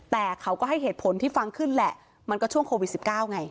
แต่เขาก็ให้เหตุผลที่ฟังขึ้นแหละมันก็ช่วงโควิด๑๙ไง